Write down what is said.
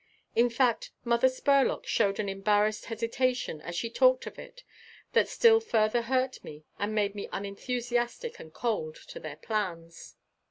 In fact, Mother Spurlock showed an embarrassed hesitation as she talked of it that still further hurt me and made me unenthusiastic and cold to their plans.